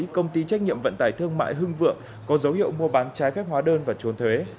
công ty trách nhiệm vận tải thương mại hưng vượng có dấu hiệu mua bán trái phép hóa đơn và trốn thuế